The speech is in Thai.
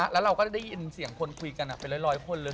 แล้วเราก็ได้ยินเสียงคนคุยกันเป็นร้อยคนเลย